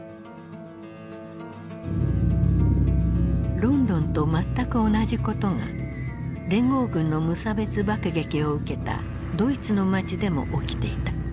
ロンドンと全く同じことが連合軍の無差別爆撃を受けたドイツの街でも起きていた。